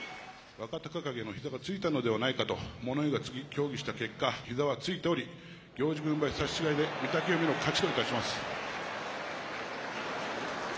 若隆景のひざがついたのではないかと物言いがつき、協議した結果、ひざはついており、行司軍配差し違えで御嶽海の勝ち